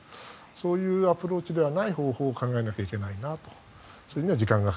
そういうアプローチではない方法を考えなきゃいけないなと。